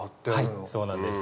はいそうなんです。